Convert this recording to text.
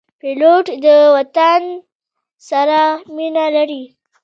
پیلوټ د وطن سره مینه لري.